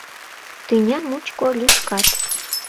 Тӱня мучко лӱшкат: